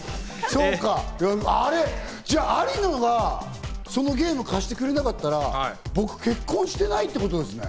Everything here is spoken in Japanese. そうか、あれ、じゃあ有野がそのゲーム貸してくれなかったら僕、結婚してないってことですね。